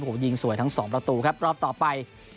โอ้โหยิงสวยทั้งสองประตูครับรอบต่อไป